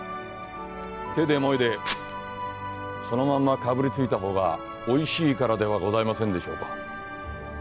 手でもいでそのまんまかぶりついたほうがおいしいからではございませんでしょうか？